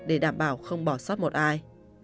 để đảm bảo không bỏ sót một ai